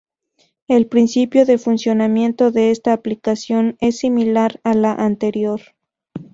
El principio de funcionamiento de esta aplicación es similar a la anterior.